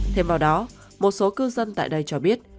thêm vào đó một số cư dân tại đây cho biết